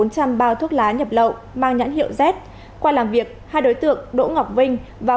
bốn trăm linh bao thuốc lá nhập lậu mang nhãn hiệu z qua làm việc hai đối tượng đỗ ngọc vinh và